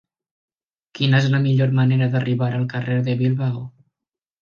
Quina és la millor manera d'arribar al carrer de Bilbao?